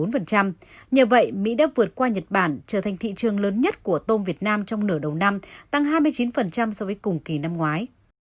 như vậy mỹ đã vượt qua nhật bản trở thành thị trường lớn nhất của tôm việt nam trong nửa đầu năm tăng hai mươi chín so với cùng kỳ năm ngoái